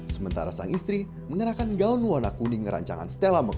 sementara sang istri mengenakan gaun warna kuning merancangan stella mccartney